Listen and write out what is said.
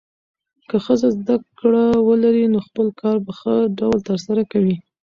که ښځه زده کړه ولري، نو خپل کار په ښه ډول ترسره کوي.